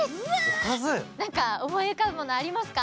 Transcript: なんかおもいうかぶものありますか？